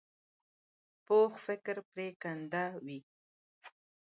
پوخ فکر پرېکنده وي